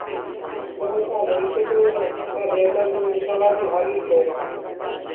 ndahechavéiko pe karréta, ni kavaju ári oikóva.